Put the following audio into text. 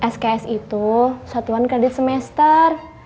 sks itu satuan kredit semester